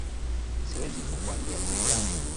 Siwezi kukuambia siri yangu